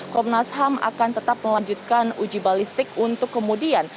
komnas ham akan tetap melanjutkan uji balistik untuk kemudian